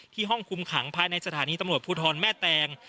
ห้องคุมขังภายในสถานีตำรวจภูทรแม่แตง